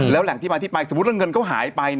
แล้วแหล่งที่มาที่ไปสมมุติว่าเงินเขาหายไป